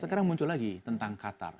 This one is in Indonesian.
sekarang muncul lagi tentang qatar